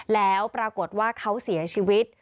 แล้วปรากฏว่าเขาเสียชีวิต